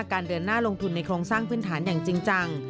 การเดินหน้าลงทุนในโครงสร้างพื้นฐานอย่างจริงจัง